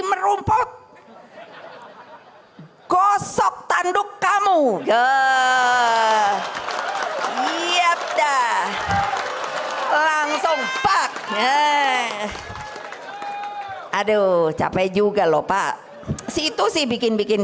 merumpok gosok tanduk kamu gep dah langsung pak aduh capek juga lho pak situ sih bikin bikin